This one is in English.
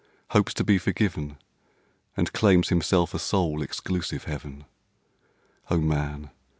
hopes to be forgiven, And claims himself a sole, exclusive Heaven. Oh, man!